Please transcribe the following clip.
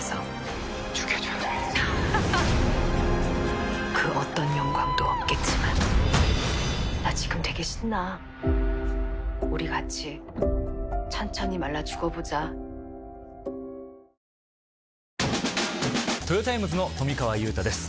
コンビニとはトヨタイムズの富川悠太です